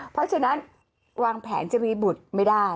เพราะฉะนั้นวางแผนจะมีบุตรไม่ได้